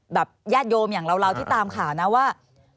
ญาติโยมอย่างเราที่ตามข่าวนะว่า